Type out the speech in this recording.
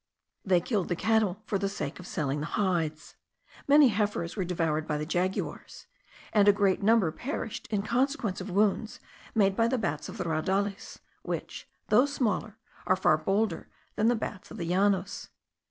They killed the cattle for the sake of selling the hides. Many heifers were devoured by the jaguars, and a great number perished in consequence of wounds made by the bats of the raudales, which, though smaller, are far bolder than the bats of the Llanos.